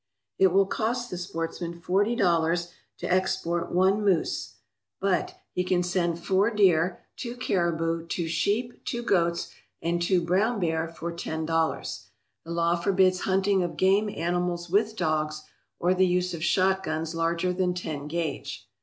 It will cost the sportsman forty dollars to export one moose, but he can 263 ALASKA OUR NORTHERN WONDERLAND send four deer, two caribou, two sheep, two goats, and two brown bear for ten dollars. The law forbids hunting of game animals with dogs, or the use of shotguns larger than ten gauge.